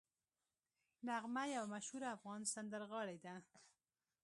نغمه یوه مشهوره افغان سندرغاړې ده